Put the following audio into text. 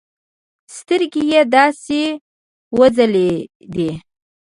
سترگې يې داسې وځلېدې.